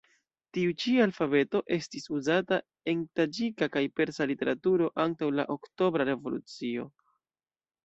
Tiu-ĉi alfabeto estis uzata en taĝika kaj persa literaturo antaŭ la Oktobra revolucio.